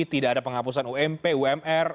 tidak ada penghapusan ump umr